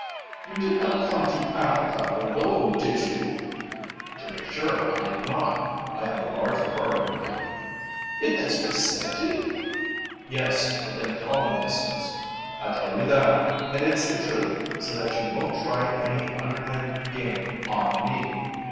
"You did not come to Africa alone, did you?" "To be sure I did not. I have a large party with me." "In this vicinity?" "Yes, within calling distance. I tell you that and it's the truth so that you won't try any underhand game on me."